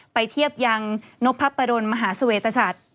เทียบยังนพับประดนมหาเสวตชัด